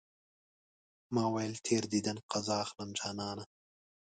ما ويل تېر ديدن قضا اخلم جانانه